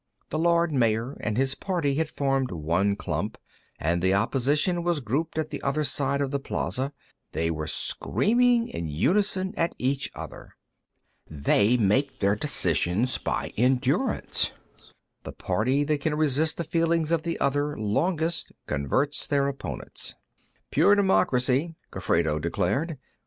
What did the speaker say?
The Lord Mayor and his party had formed one clump, and the opposition was grouped at the other side of the plaza; they were screaming in unison at each other. "They make their decisions by endurance; the party that can resist the feelings of the other longest converts their opponents." "Pure democracy," Gofredo declared.